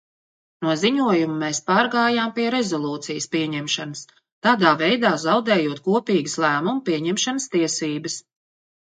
No ziņojuma mēs pārgājām pie rezolūcijas pieņemšanas, tādā veidā zaudējot kopīgas lēmumu pieņemšanas tiesības.